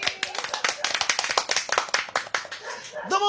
どうも！